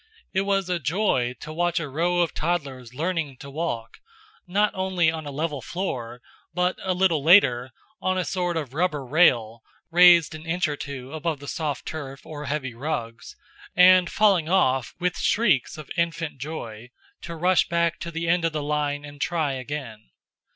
It was a joy to watch a row of toddlers learning to walk, not only on a level floor, but, a little later, on a sort of rubber rail raised an inch or two above the soft turf or heavy rugs, and falling off with shrieks of infant joy, to rush back to the end of the line and try again.